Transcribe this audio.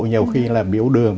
nhiều khi là biếu đường